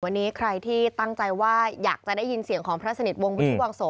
วันนี้ใครที่ตั้งใจว่าอยากจะได้ยินเสียงของพระสนิทวงวุฒิวังโส